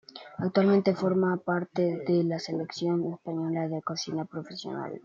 Actualmente, forma parte de la Selección española de cocina profesional.